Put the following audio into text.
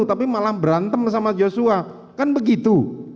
tapi malah berantem sama joshua kan begitu